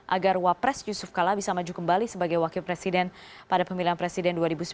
agar wapres yusuf kala bisa maju kembali sebagai wakil presiden pada pemilihan presiden dua ribu sembilan belas